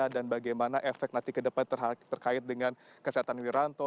dan bagaimana efek nanti kedepan terkait dengan kesehatan wiranto